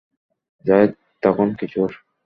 যায়েদ তখন কিশোর।